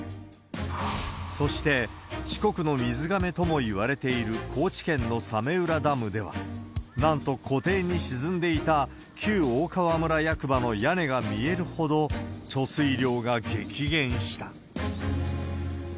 そして、四国の水がめともいわれている高知県の早明浦ダムでは、なんと湖底に沈んでいた旧大川村役場の屋根が見えるほど、貯水量が激減した。